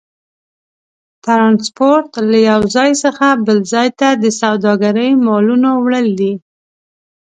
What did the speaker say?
ترانسپورت له یو ځای څخه بل ځای ته د سوداګرۍ مالونو وړل دي.